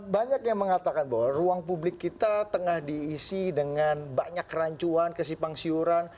banyak yang mengatakan bahwa ruang publik kita tengah diisi dengan banyak rancuan kesipang siuran